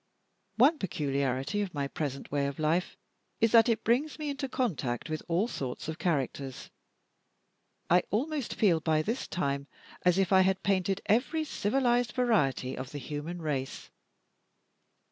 One peculiarity of my present way of life is, that it brings me into contact with all sorts of characters. I almost feel, by this time, as if I had painted every civilized variety of the human race.